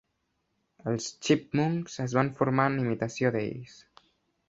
Els Chipmunks és van formar en imitació d'ells.